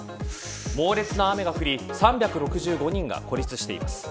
猛烈な雨が降り３６５人が孤立しています。